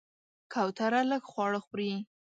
کوتره لږ خواړه خوري.